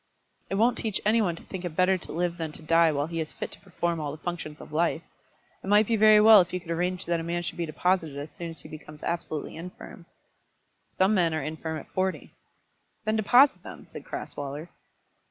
"It won't teach any one to think it better to live than to die while he is fit to perform all the functions of life. It might be very well if you could arrange that a man should be deposited as soon as he becomes absolutely infirm." "Some men are infirm at forty." "Then deposit them," said Crasweller.